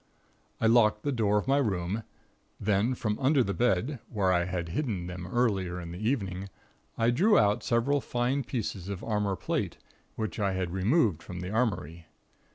"I locked the door of my room, then from under the bed where I had hidden them earlier in the evening I drew out several fine pieces of plate armor, which I had removed from the armory.